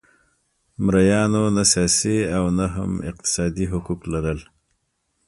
مریانو نه سیاسي او نه هم اقتصادي حقوق لرل.